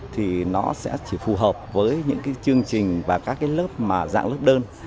thì nó sẽ chỉ phù hợp với những chương trình và các lớp mà dạng lớp đơn